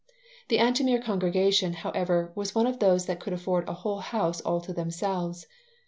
The Antomir congregation, however, was one of those that could afford a whole house all to themselves.